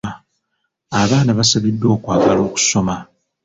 Abaana basabiddwa okwagala okusoma.